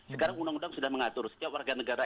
sekarang undang undang sudah mengatur setiap warga negara